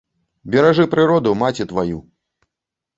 Беражы прыроду, маці тваю!